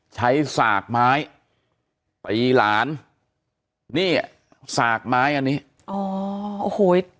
สากไม้ตีหลานนี่สากไม้อันนี้อ๋อโอ้โห